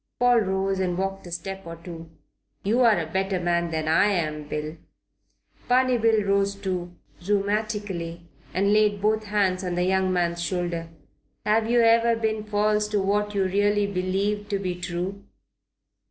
Paul rose and walked a step or two. "You're a better man than I am, Bill." Barney Bill rose too, rheumatically, and laid both hands on the young man's shoulders. "Have you ever been false to what you really believed to be true?"